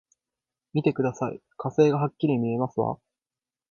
見てください、火星がはっきり見えますわ！